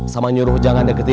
sama nyuruh jangan deketin kamu